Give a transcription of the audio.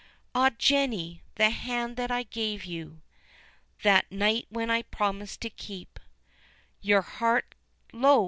Ah! Jenny! the hand that I gave you That night when I promised to keep Your heart lo!